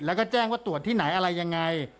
แล้วก็แจ้งว่าตรวจที่ไหนอะไรยังไง